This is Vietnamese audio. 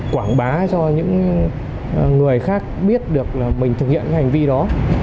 quảng bá cho những người khác biết được là mình thực hiện cái hành vi đó